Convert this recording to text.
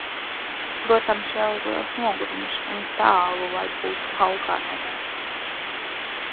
Protams, vēl ir liels nogurums un tālu, lai būtu "laukā no meža".